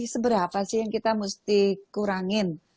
seberapa sih yang kita mesti kurangin